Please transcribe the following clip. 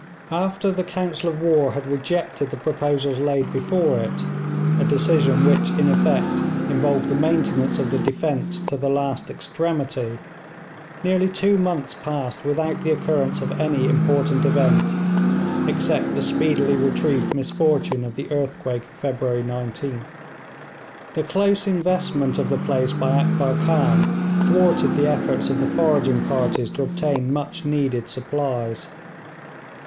After the council of war had rejected the proposals laid before it, a decision which in effect involved the maintenance of the defence to the last extremity, nearly two months passed without the occurrence of any important event, except the speedily retrieved misfortune of the earthquake of February 19th. The close investment of the place by Akbar Khan thwarted the efforts of the foraging parties to obtain much needed supplies.